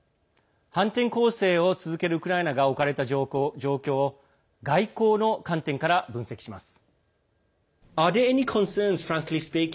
反転攻勢を続けるウクライナが置かれた状況を外交の観点から分析します。